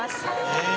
へえ！